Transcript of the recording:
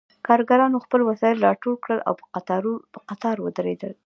کارګرانو خپل وسایل راټول کړل او په قطار ودرېدل